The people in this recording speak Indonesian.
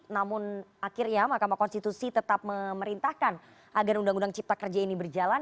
namun akhirnya mahkamah konstitusi tetap memerintahkan agar undang undang cipta kerja ini berjalan